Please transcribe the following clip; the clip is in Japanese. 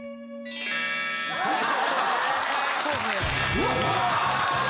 うわ！